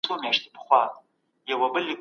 د سياسي بنسټونو اړيکي لا پسې ټينګي سوې.